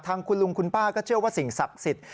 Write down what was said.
ทางคุณลุงคุณป้าก็เชื่อว่าสิ่งศักดิ์สิทธิ์